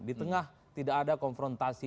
di tengah tidak ada konfrontasi